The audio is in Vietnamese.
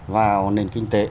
vào nền kinh tế